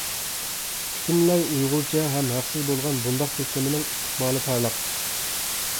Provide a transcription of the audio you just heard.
پۈتۈنلەي ئۇيغۇرچە ھەم ھەقسىز بولغان بۇنداق سىستېمىنىڭ ئىستىقبالى پارلاق.